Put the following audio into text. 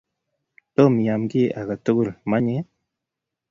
Tom iam ki ake tukul, manye?